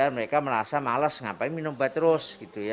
mereka merasa males ngapain minum obat terus